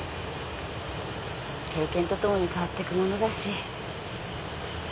経験とともに変わっていくものだし。